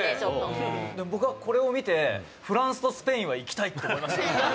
宮田：僕は、これを見てフランスとスペインは行きたいと思いました。